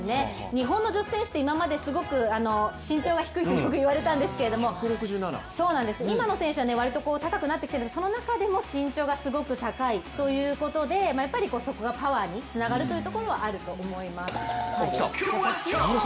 日本の女子選手って今まで身長が低いとよく言われたんですけれども今の選手は割と高くなってきているんですが、その中でも身長がすごく高いということでやっぱりそこがパワーにつながるということはあると思います。